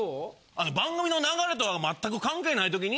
あの番組の流れとはまったく関係ないときに。